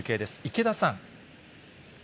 池田さん。